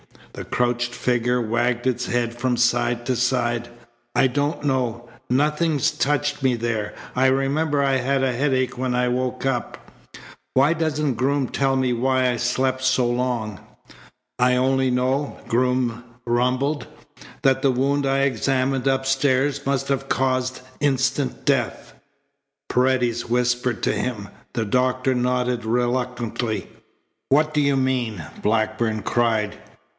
The crouched figure wagged its head from side to side. "I don't know. Nothing's touched me there. I remember I had a headache when I woke up. Why doesn't Groom tell me why I slept so long?" "I only know," Groom rumbled, "that the wound I examined upstairs must have caused instant death." Paredes whispered to him. The doctor nodded reluctantly. "What do you mean?" Blackburn cried.